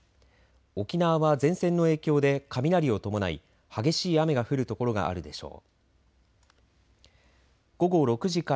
沖縄は前線の影響で雷を伴い激しい雨が降る所があるでしょう。